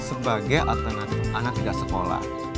sebagai alternatif anak tidak sekolah